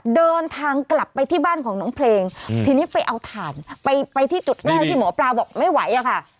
เดินทางกลับไปที่บ้านของน้องเพลงทีนี้ไปเอาถ่านไปไปที่จุดแรกที่หมอปลาบอกไม่ไหวอะค่ะ